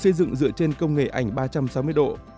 xây dựng dựa trên công nghệ ảnh ba trăm sáu mươi độ